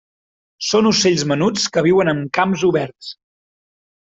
Són ocells menuts que viuen en camps oberts.